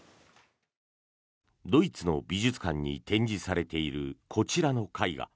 ドイツの美術館に展示されている、こちらの絵画。